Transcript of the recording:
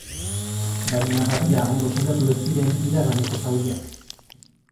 Baina, badira, ondo sendatu ez diren iraganeko zauriak.